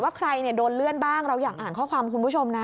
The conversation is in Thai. ใครโดนเลื่อนบ้างเราอยากอ่านข้อความคุณผู้ชมนะ